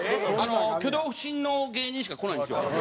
挙動不審の芸人しか来ないんですよ。